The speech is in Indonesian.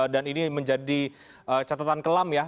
dan ini menjadi catatan kelam ya